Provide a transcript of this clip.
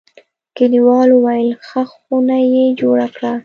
کلیوالو ویل: ښه خونه یې جوړه کړه.